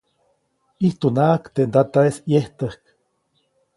ʼIjtunaʼajk teʼ ndataʼis ʼyejtäjk.